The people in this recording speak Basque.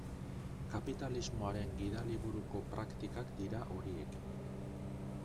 Kapitalismoaren gidaliburuko praktikak dira horiek.